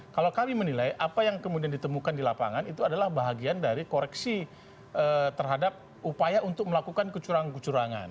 kalau kami menilai apa yang kemudian ditemukan di lapangan itu adalah bahagian dari koreksi terhadap upaya untuk melakukan kecurangan kecurangan